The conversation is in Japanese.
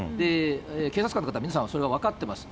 警察官の方、皆さんそれは分かってます。